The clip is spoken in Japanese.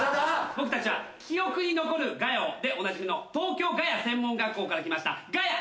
僕たちは「記憶に残るガヤを」でおなじみの東京ガヤ専門学校から来ましたガヤＡ。